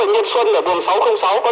các trực xuống đây kiểm tra